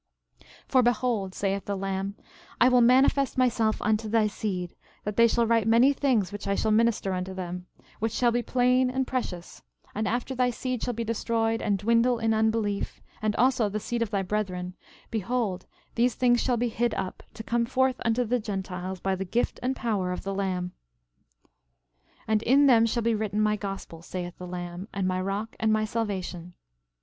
13:35 For, behold, saith the Lamb: I will manifest myself unto thy seed, that they shall write many things which I shall minister unto them, which shall be plain and precious; and after thy seed shall be destroyed, and dwindle in unbelief, and also the seed of thy brethren, behold, these things shall be hid up, to come forth unto the Gentiles, by the gift and power of the Lamb. 13:36 And in them shall be written my gospel, saith the Lamb, and my rock and my salvation.